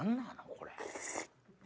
これ。